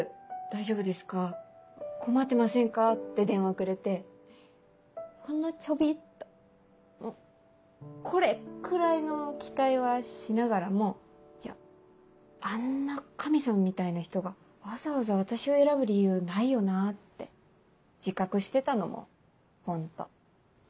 「大丈夫ですか困ってませんか」って電話くれてほんのちょびっとこれくらいの期待はしながらもいやあんな神様みたいな人がわざわざ私を選ぶ理由ないよなって自覚してたのもホント。